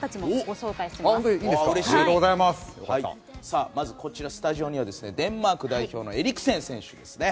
さあまずこちらスタジオにはですねデンマーク代表のエリクセン選手ですね。